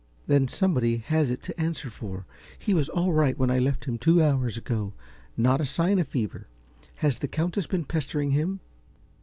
"Then somebody has it to answer for. He was all right when I left him, two hours ago, with not a sign of fever. Has the Countess been pestering him?"